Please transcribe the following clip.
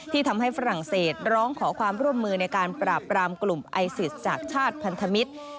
ทำให้ฝรั่งเศสร้องขอความร่วมมือในการปราบรามกลุ่มไอซิสจากชาติพันธมิตร